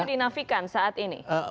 dan itu dinafikan saat ini